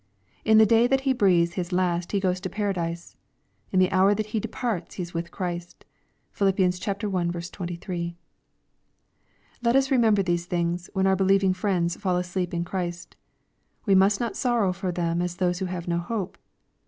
In the day that he breathes his la<t he goes to Paradise. In the hour that he departs he is with Christ. (PhiL i 23.) Let us remembei these things, when our believing friends fall asleep in Christ. We must not sorrow for them as those who have no hope.